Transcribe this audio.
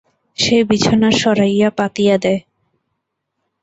সে বিছানা সরাইয়া পাতিয়া দেয়।